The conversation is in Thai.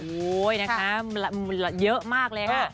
นะคะเยอะมากเลยค่ะ